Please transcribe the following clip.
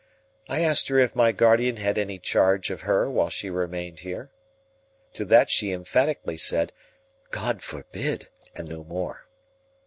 I asked her if my guardian had any charge of her while she remained here? To that she emphatically said "God forbid!" and no more.